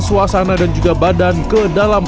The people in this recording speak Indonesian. suasana dan juga badan ke dalam